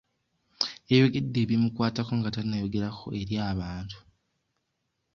Yayogedde ebimukwatako nga tannayogerako eri abantu.